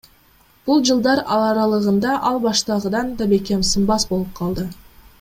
Бул жылдар аралыгында ал баштагыдан да бекем, сынбас болуп калды.